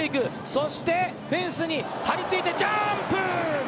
そしてフェンスに張りついてジャンプ！